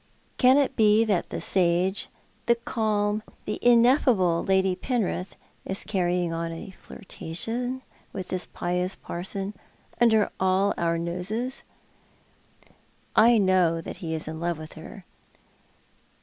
" Can it be that the sage, the calm, the ineffable Lady Penrith is carrying on a flirtation with this pious parson, under all oiir noses? I know that he is in love with her.